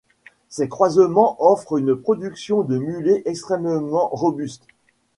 Ces croisements offrent une production de mulets extrêmement robustes.